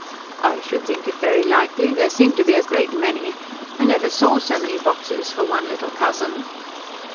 "I should think it very likely. There seem to be a great many. I never saw so many boxes for one little cousin."